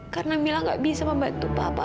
karena mila tidak bisa membantu papa